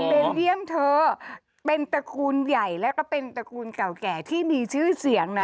เบลเยี่ยมเธอเป็นตระกูลใหญ่แล้วก็เป็นตระกูลเก่าแก่ที่มีชื่อเสียงนะ